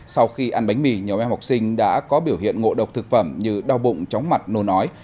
sau khi ăn bánh mì nhiều em học sinh đã có biểu hiện ngộ độc thực phẩm như đau bụng chóng mặt nô nói